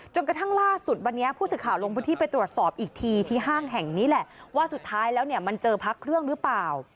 กระทั่งล่าสุดวันนี้ผู้สื่อข่าวลงพื้นที่ไปตรวจสอบอีกทีที่ห้างแห่งนี้แหละว่าสุดท้ายแล้วเนี่ยมันเจอพระเครื่องหรือเปล่า